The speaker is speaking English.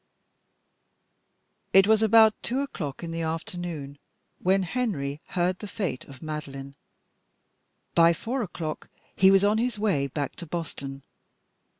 It was about two o'clock in the afternoon when Henry heard the fate of Madeline. By four o'clock he was on his way back to Boston.